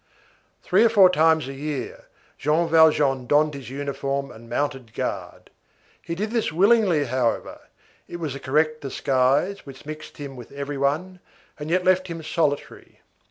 Three or four times a year, Jean Valjean donned his uniform and mounted guard; he did this willingly, however; it was a correct disguise which mixed him with every one, and yet left him solitary.